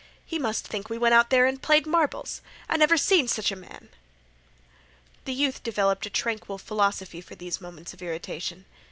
"He must think we went out there an' played marbles! I never see sech a man!" The youth developed a tranquil philosophy for these moments of irritation.